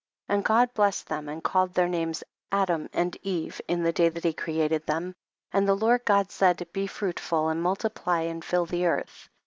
6. And God blessed them and called their names Adam and Eve in the day that he created them, and I the Lord God said, be fruitful and multiply and fill the earth.